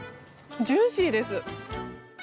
ジューシーです。